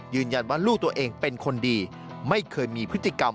ลูกตัวเองเป็นคนดีไม่เคยมีพฤติกรรม